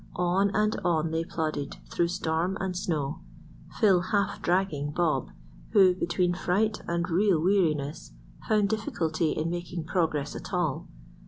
On and on they plodded through storm and snow, Phil half dragging Bob, who, between fright and real weariness, found difficulty in making progress at all.